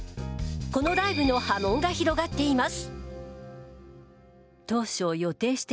このライブの波紋が広がっています。